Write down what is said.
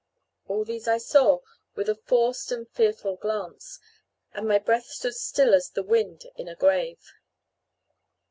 All these I saw with a forced and fearful glance, and my breath stood still as the wind in a grave.